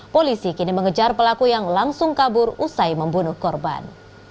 polisi kini mengejar pelaku yang langsung kabur usai membunuh korban